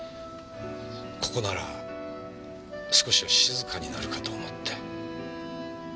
ここなら少しは静かになるかと思って。